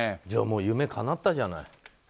じゃあ、夢かなったじゃない。